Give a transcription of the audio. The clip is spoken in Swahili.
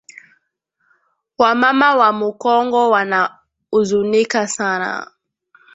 Wa mama wa mu kongo wana uzunika sana